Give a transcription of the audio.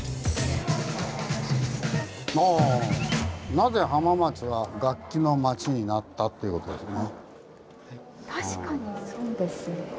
「なぜ浜松が楽器の町になった」ということですね。